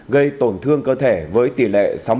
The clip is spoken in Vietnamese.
gây tổn thương cơ thể với tỷ lệ sáu mươi